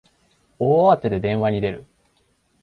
大慌てで電話に出る